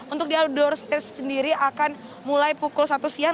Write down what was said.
untuk di outdoor stage sendiri akan mulai pukul satu siang